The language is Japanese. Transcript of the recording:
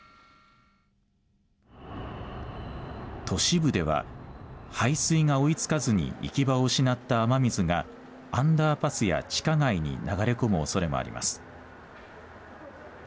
都市部では排水が追いつかずに行き場を失った雨水がアンダーパスや地下街に流れ込むおそれもあります。